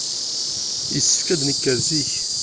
Yessefk ad d-nekker zik.